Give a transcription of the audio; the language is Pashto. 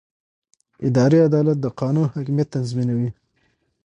اداري عدالت د قانون حاکمیت تضمینوي.